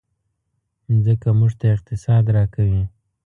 مځکه موږ ته اقتصاد راکوي.